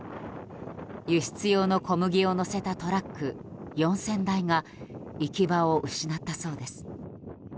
輸出用の小麦を載せたトラック４０００台が行き場を失ったそうです。